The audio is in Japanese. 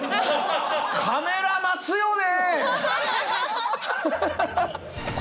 カメラ待つよね！